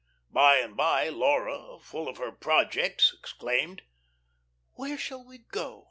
By and by Laura, full of her projects, exclaimed: "Where shall we go?